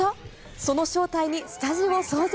その正体にスタジオ騒然。